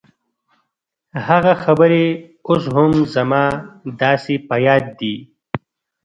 هغه خبرې اوس هم زما داسې په ياد دي.